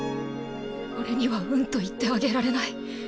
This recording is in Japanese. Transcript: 俺には「うん」と言ってあげられない。